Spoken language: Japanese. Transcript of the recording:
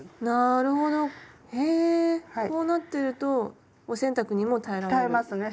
なるほど。へこうなってるとお洗濯にも耐えられる？